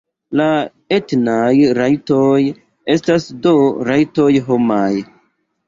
La etnaj rajtoj estas do rajtoj homaj.